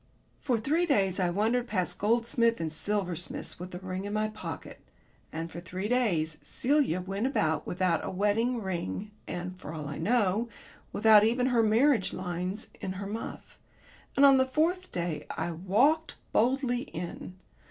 For three days I wandered past gold and silversmiths with the ring in my pocket ... and for three days Celia went about without a wedding ring, and, for all I know, without even her marriage lines in her muff. And on the fourth day I walked boldly in.